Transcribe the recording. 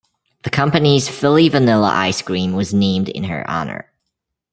The company's Philly Vanilla ice cream was named in her honor.